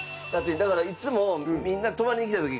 だからいつもみんな泊まりに来た時。